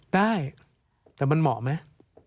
ได้แต่มันเหมาะไหม